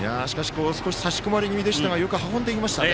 少し差し込まれぎみでしたがよく運びましたね。